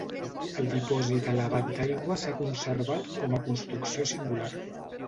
El dipòsit elevat d'aigua s'ha conservat com a construcció singular.